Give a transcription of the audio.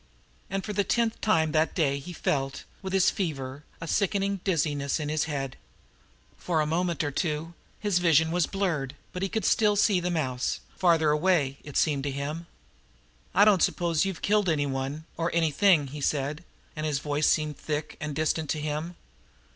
And for the tenth time that day he felt, with his fever, a sickening dizziness in his head. For a moment or two his vision was blurred, but he could still see the mouse farther away, it seemed to him. "I don't s'pose you've killed anyone or anything," he said, and his voice seemed thick and distant to him.